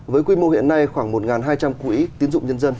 với quy mô hiện nay khoảng một hai trăm linh quỹ tiến dụng nhân dân